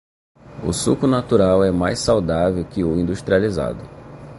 O suco natural é mais saudável que o industrializado.